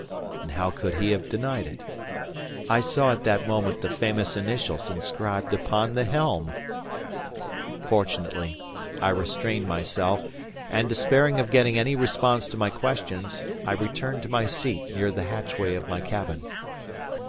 And how could he have denied it! I saw at that moment the famous initials inscribed upon the helm! Fortunately I restrained myself; and despairing of getting any response to my questions, I returned to my seat near the hatchway of my cabin.